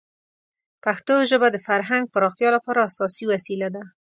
پښتو ژبه د فرهنګ پراختیا لپاره اساسي وسیله ده.